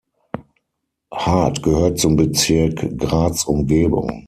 Hart gehört zum Bezirk Graz-Umgebung.